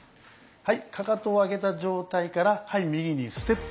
かかとを上げた状態から右にステップ。